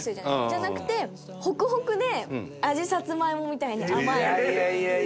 じゃなくてホクホクで味さつまいもみたいに甘い。